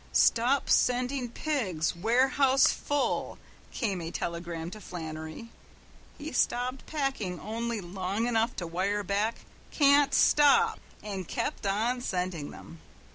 "Stop sending pigs. Warehouse full," came a telegram to Flannery. He stopped packing only long enough to wire back, "Can't stop," and kept on sending them.